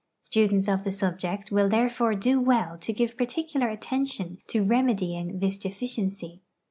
Students of the subject will therefore do well to give particular attention to remedy ing this deficiency.